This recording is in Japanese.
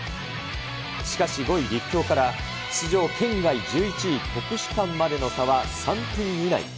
しかし５位立教から、出場圏外１１位国士舘までの差は３分以内。